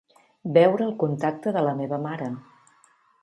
Veure el contacte de la meva mare.